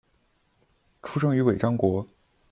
出生于尾张国。